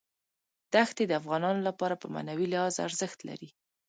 دښتې د افغانانو لپاره په معنوي لحاظ ارزښت لري.